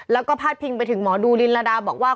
แล้วก็พาดพิงไปถึงหมอดูลินระดาบอกว่า